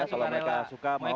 kalau mereka suka mau boleh